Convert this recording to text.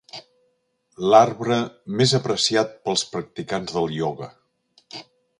L'arbre més apreciat pels practicants del ioga.